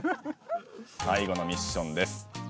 最後のミッションです。